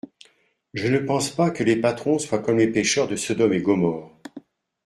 Je ne pense pas que les patrons soient comme les pécheurs de Sodome et Gomorrhe.